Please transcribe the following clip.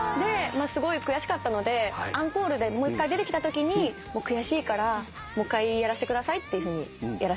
すごい悔しかったのでアンコールでもう一回出てきたときに悔しいからもう一回やらせてくださいってやらせていただきました。